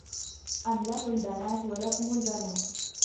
أم له البنات ولكم البنون